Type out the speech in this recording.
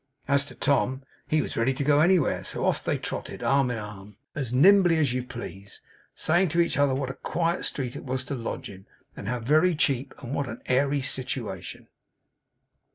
As to Tom, he was ready to go anywhere; so off they trotted, arm in arm, as nimbly as you please; saying to each other what a quiet street it was to lodge in, and how very cheap, and what an airy situation.